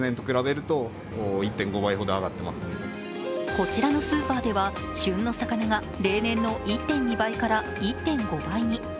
こちらのスーパーでは旬の魚が例年の１．２倍から１．５倍に。